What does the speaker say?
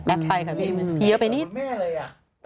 เพียงแผีเกียจไปนิดที่เหมือนคุณแม่เลยอ่ะ